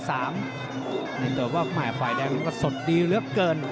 แต่ว่าไฟล์แดงก็สดดีเหลือเกิน